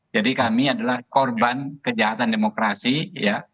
jadi kami adalah korban kejahatan demokrasi ya